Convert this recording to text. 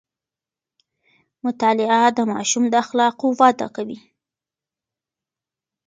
مطالعه د ماشوم د اخلاقو وده کوي.